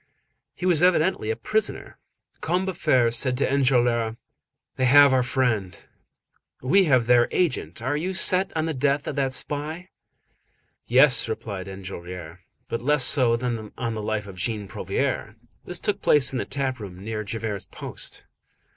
He was evidently a prisoner. Combeferre said to Enjolras:— "They have our friend; we have their agent. Are you set on the death of that spy?" "Yes," replied Enjolras; "but less so than on the life of Jean Prouvaire." This took place in the tap room near Javert's post.